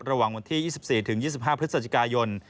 ระหว่างวันที่๒๔๒๕พฤศจิกายน